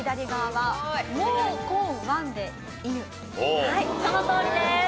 はいそのとおりです。